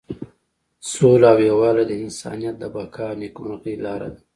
سوله او یووالی د انسانیت د بقا او نیکمرغۍ لاره ده.